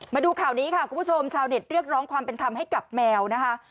มาดูข่าวนี้ค่ะคุณผู้ชมชาวเน็ตเรียกร้องความเป็นธรรมให้กับแมวนะคะ